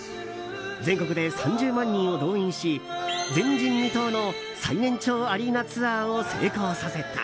全国で３０万人を動員し前人未到の最年長アリーナツアーを成功させた。